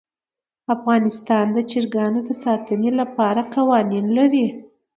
افغانستان د چرګانو د ساتنې لپاره قوانین لري.